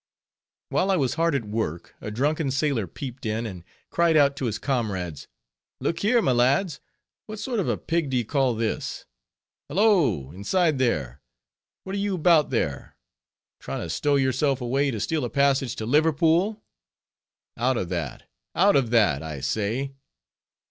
While I was hard at work a drunken sailor peeped in, and cried out to his comrades, "Look here, my lads, what sort of a pig do you call this? Hallo! inside there! what are you 'bout there? trying to stow yourself away to steal a passage to Liverpool? Out of that! out of that, I say."